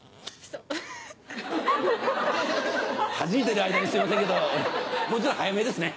はじいてる間にすいませんけどもうちょっと早めですね。